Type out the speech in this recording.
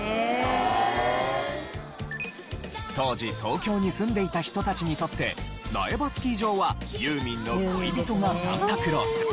当時東京に住んでいた人たちにとって苗場スキー場はユーミンの『恋人がサンタクロース』